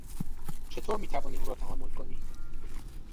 چطور میتوانی او را تحمل کنی؟